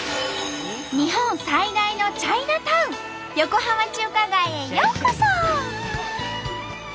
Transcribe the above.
日本最大のチャイナタウン横浜中華街へようこそ！